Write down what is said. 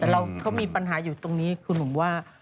แต่เราเขามีปัญหาอยู่ตรงนี้คุณหนุ่มว่า